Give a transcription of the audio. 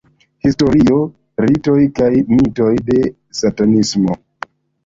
Historio, ritoj kaj mitoj de satanismo.